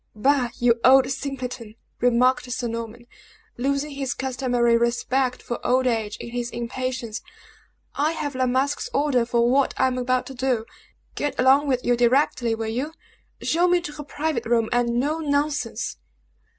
"Bah! you old simpleton!" remarked Sir Norman, losing his customary respect for old age in his impatience, "I have La Masque's order for what I am about to do. Get along with you directly, will you? Show me to her private room, and no nonsense!"